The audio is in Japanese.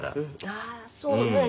ああそうね。